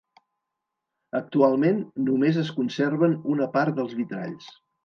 Actualment només es conserven una part dels vitralls.